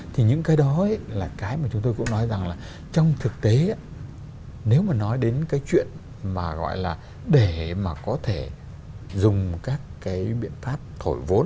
thì những cái đó là cái mà chúng tôi cũng nói rằng là trong thực tế nếu mà nói đến cái chuyện mà gọi là để mà có thể dùng các cái biện pháp thổi vốn